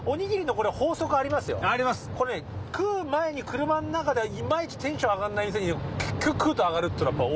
コレね食う前に車の中ではいまいちテンション上がんない店に結局食うと上がるっていうのやっぱ多いです。